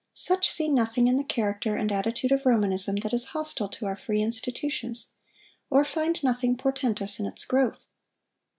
Such see nothing in the character and attitude of Romanism that is hostile to our free institutions, or find nothing portentous in its growth.